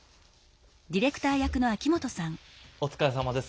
お疲れさまです。